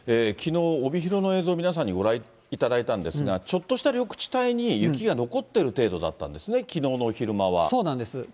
きのう、帯広の映像を皆さんにご覧いただいたんですが、ちょっとした緑地帯に雪が残ってる程度だったんですね、きのうのそうなんです。